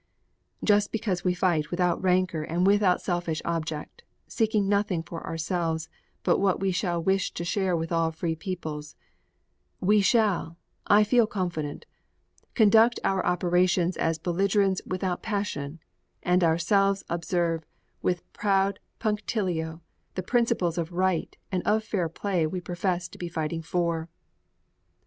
Just because we fight without rancor and without selfish object, seeking nothing for ourselves but what we shall wish to share with all free peoples, we shall, I feel confident, conduct our operations as belligerents without passion, and ourselves observe with proud punctilio the principles of right and of fair play we profess to be fighting for.